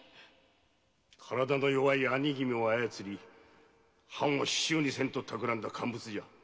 体の弱い兄君を操り藩を手中にせんと企んだ奸物じゃ。